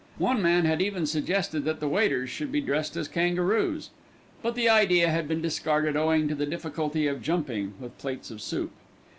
One man had even suggested that the waiters should be dressed as kangaroos; but the idea had been discarded owing to the difficulty of jumping with plates of soup.